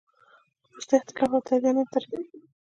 وروسته اختلاف او تجزیه منځ ته راځي.